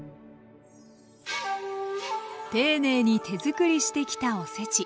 丁寧に手づくりしてきたおせち。